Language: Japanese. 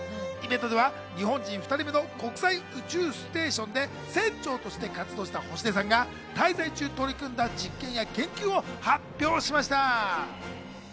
イベントでは日本人２人目の国際宇宙ステーションで船長として活動した星出さんが滞在中、取り組んだ実験や研究を発表しました。